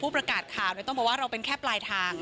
ประกาศข่าวต้องบอกว่าเราเป็นแค่ปลายทาง